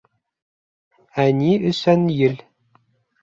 — Ә ни өсөн ел?